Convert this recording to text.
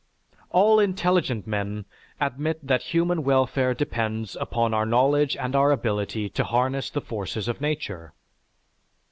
_) All intelligent men admit that human welfare depends upon our knowledge and our ability to harness the forces of nature.